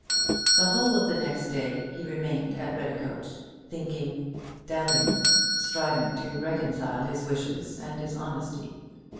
The whole of the next day he remained at Redicote, thinking, doubting, striving to reconcile his wishes and his honesty.